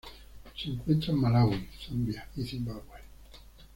Se encuentra en Malaui, Zambia y Zimbabue.